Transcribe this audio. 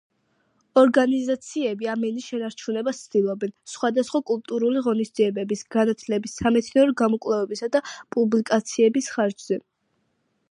ორგანიზაციები ამ ენის შენარჩუნებას ცდილობენ სხვადასხვა კულტურული ღონისძიებების, განათლების, სამეცნიერო გამოკვლევებისა და პუბლიკაციების ხარჯზე.